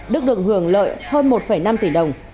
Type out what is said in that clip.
đức được hưởng lợi hơn một năm tỷ đồng